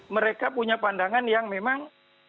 mereka punya pandangan yang memang